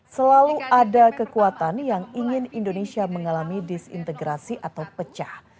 selalu ada kekuatan yang ingin indonesia mengalami disintegrasi atau pecah